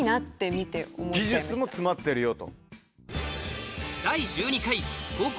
技術も詰まってるよと。